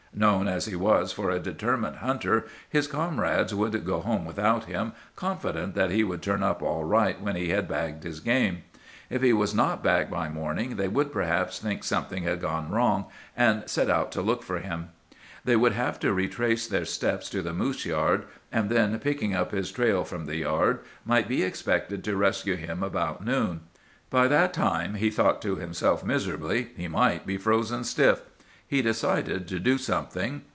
Known as he was for a determined hunter, his comrades would go home without him, confident that he would turn up all right when he had bagged his game. If he was not back by morning they would perhaps think something had gone wrong, and set out to look for him. "They would have to retrace their steps to the moose yard, and then, picking up his trail from the yard, might be expected to rescue him about noon. By that time, he thought to himself miserably, he might be frozen stiff. He decided to do something!